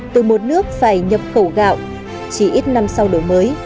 từ một nước phải nhập khẩu gạo chỉ ít năm sau đổi mới